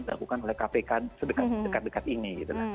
dilakukan oleh kpk sedekat dekat ini